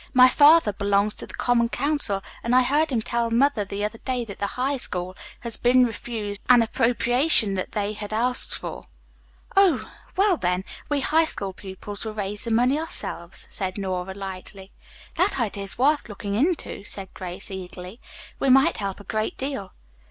"My father belongs to the common council, and I heard him tell mother the other day that the High School had been refused an appropriation that they had asked for." "Oh, well, then, we High School pupils will raise the money ourselves," said Nora lightly. "That idea is worth looking into," said Grace eagerly. "We might help a great deal."